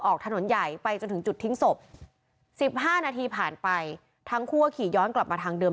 ออกถนนใหญ่ไปจนถึงจุดทิ้งศพ๑๕นาทีผ่านไปทั้งคู่ก็ขี่ย้อนกลับมาทางเดิม